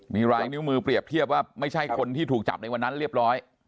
มีลายนิ้วมือเปรียบเทียบว่าไม่ใช่คนที่ถูกจับในวันนั้นเรียบร้อย